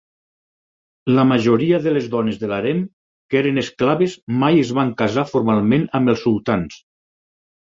La majoria de les dones de l'harem que eren esclaves mai es van casar formalment amb els sultans.